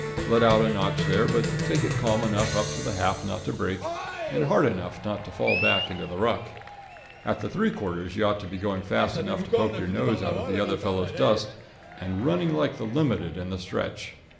Let out a notch there, but take it calm enough up to the half not to break, and hard enough not to fall back into the ruck. At the three quarters you ought to be going fast enough to poke your nose out of the other fellow's dust, and running like the Limited in the stretch.